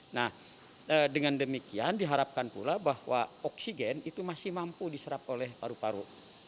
nah dengan demikian diharapkan pula bahwa oksigen itu masih mampu diserap oleh paru paru